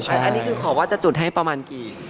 อันนี้คือขอว่าจะจุดให้ประมาณกี่